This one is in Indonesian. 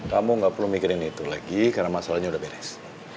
kamu gak perlu mikirin itu lagi karena masalahnya udah beres